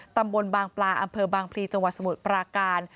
ตำบลบางปลาอำเภอบางพลีจังหวัดสมุทรปราการ